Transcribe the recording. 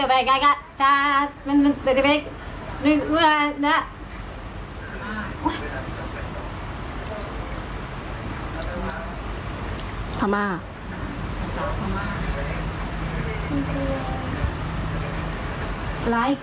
ภามา